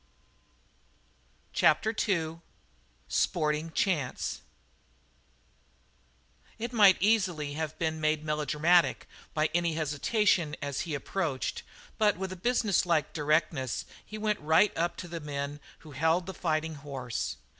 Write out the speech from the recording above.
CHAPTER II SPORTING CHANCE It might easily have been made melodramatic by any hesitation as he approached, but, with a businesslike directness, he went right up to the men who held the fighting horse.